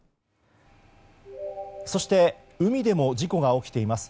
そして海でも事故が起きています。